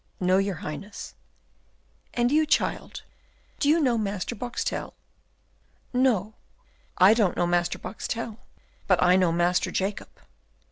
"No, your Highness!" "And you, child, do you know Master Boxtel?" "No, I don't know Master Boxtel, but I know Master Jacob."